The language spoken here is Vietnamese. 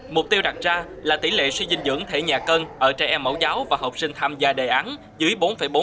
mục tiêu đặt ra là tỷ lệ suy dinh dưỡng thể nhà cân ở trẻ em mẫu giáo và học sinh tham gia đề án dưới bốn bốn